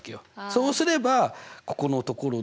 そうすればここのところで。